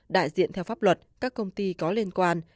đại diện theo pháp luật các công ty có liên quan